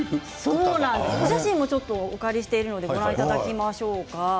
お写真もお借りしていますのでご覧いただきましょうか。